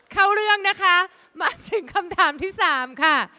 เข้าเรื่องนะคะมาถึงคำถามที่สามค่ะ